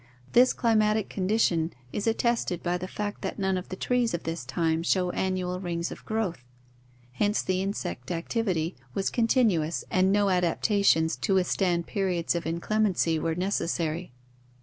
This climatic condition is attested by the fact that none of the trees of this time show annual rings of growth. INSECTS 457 Hence the insect activity was continuous and no adaptations to withstand periods of inclemency were necessary.